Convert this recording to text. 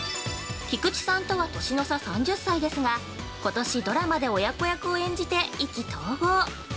菊池さんとは年の差３０歳ですがことし、ドラマで親子役を演じ、意気投合。